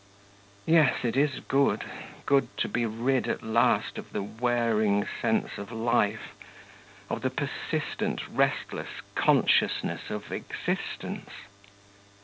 Yes, it is good, good to be rid, at last, of the wearing sense of life, of the persistent, restless consciousness of existence!